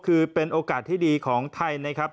คือเป็นโอกาสที่ดีของไทยนะครับ